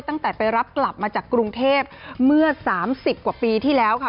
ตั้งแต่ไปรับกลับมาจากกรุงเทพเมื่อ๓๐กว่าปีที่แล้วค่ะ